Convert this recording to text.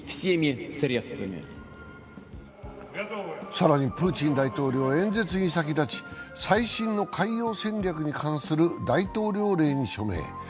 更にプーチン大統領は演説に先立ち最新の海洋戦略に関する大統領令に署名。